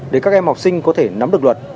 để các em học sinh có thể nắm được luật